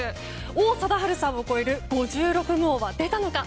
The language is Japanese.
王貞治さんを超える５６号は出たのか。